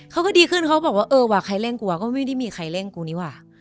เขาก็ดีขึ้นเขาบอกว่าเออว่ะใครเร่งกูว่ก็ไม่ได้มีใครเร่งกูนี่ว่ะ